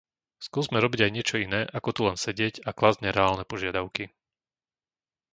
Skúsme robiť aj niečo iné ako tu len sedieť a klásť nereálne požiadavky.